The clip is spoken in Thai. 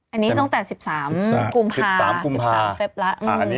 อ้าวไอ้ผีกูจะไปรู้เรื่องก็ได้ยังไง